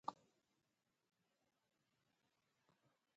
د یورانیم دوه سوه اوومه اتیا نیم عمر لري.